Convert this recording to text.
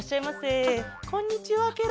あっこんにちはケロ。